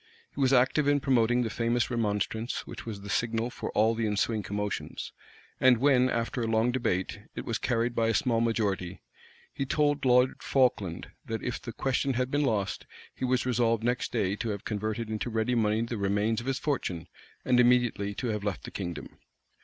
He was active in promoting the famous remonstrance, which was the signal for all the ensuing commotions; and when, after a long debate, it was carried by a small majority, he told Lord Falkland, that if the question had been lost, he was resolved next day to have converted into ready money the remains of his fortune, and immediately to have left the kingdom.